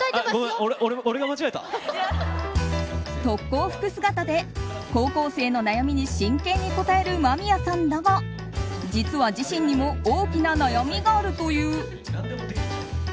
特攻服姿で高校生の悩みに真剣に答える間宮さんだが実は自身にも大きな悩みがあるという。